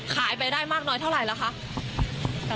ขายไปได้มากน้อยเท่าไรแล้วคะสำหรับสี่ร้อยฉะนั้น